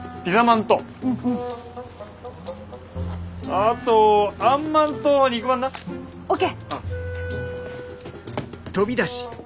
あとあんまんと肉まんな。ＯＫ！